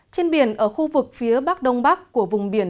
trên biển ở khu vực phía bắc đông bắc của vùng biển